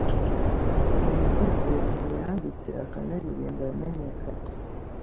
Nindirimbo yambere yanditse akanaririmba yamenyekanye.